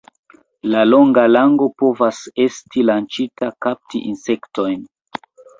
La longa lango povas esti lanĉita kapti insektojn.